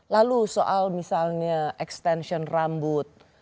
lalu soal misalnya extension rambut